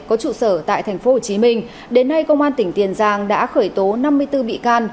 có trụ sở tại tp hcm đến nay công an tỉnh tiền giang đã khởi tố năm mươi bốn bị can